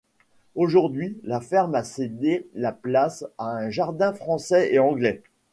Aujourd'hui, la ferme a cédé la place à un jardin français et anglais.